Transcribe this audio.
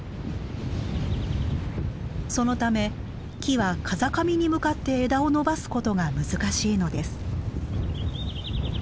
そのため木は風上に向かって枝を伸ばすことが難しいのです。